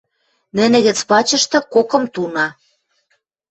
нӹнӹ гӹц пачышты – кок-кым туна.